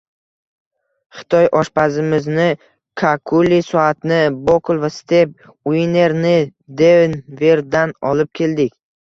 Xitoy-oshpazimizni, kakkuli soatni, Bokl va Sep Uinnerni Denverdan olib keldik